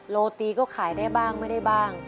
โรตีก็ขายได้บ้างไม่ได้บ้าง